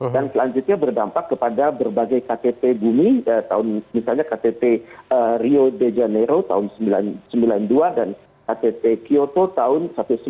dan selanjutnya berdampak kepada berbagai ktt bumi misalnya ktt rio de janeiro tahun seribu sembilan ratus sembilan puluh dua dan ktt kyoto tahun seribu sembilan ratus sembilan puluh tujuh